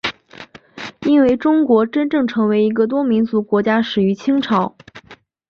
因为中国真正成为一个多民族国家始于清朝。